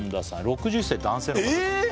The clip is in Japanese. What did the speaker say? ６１歳男性の方え